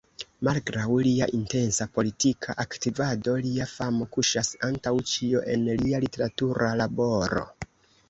Malgraŭ lia intensa politika aktivado, lia famo kuŝas, antaŭ ĉio, en lia literatura laboro.